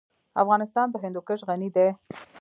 افغانستان په هندوکش غني دی.